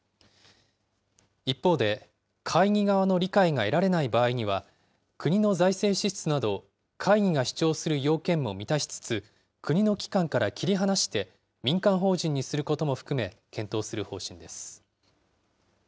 一方で、会議側の理解が得られない場合には、国の財政支出など、会議が主張する要件も満たしつつ国の機関から切り離して民間法人にすることも含め、検討する方針です。